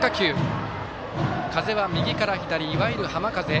風は右から左、いわゆる浜風。